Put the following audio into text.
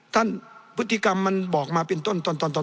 ท่านพฤติกรรมมันบอกมาเป็นต้น